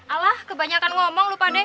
alah kebanyakan ngomong lu pade